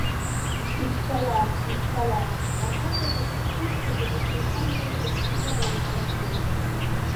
Ишәҳәала, ишәҳәала, аԥасашәа шәызхыччаз аҿы шәеиҭамлеикәа сыҩналом саргьы!